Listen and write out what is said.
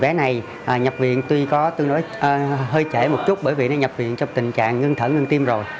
bé này nhập viện tuy có tương đối hơi chảy một chút bởi vì nó nhập viện trong tình trạng ngưng thở ngưng tim rồi